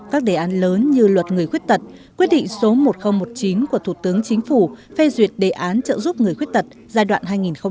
các đề án lớn như luật người khuyết tật quyết định số một nghìn một mươi chín của thủ tướng chính phủ phê duyệt đề án trợ giúp người khuyết tật giai đoạn hai nghìn một mươi sáu hai nghìn hai mươi